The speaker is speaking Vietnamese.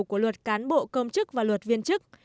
của luật cán bộ công chức và luật viên chức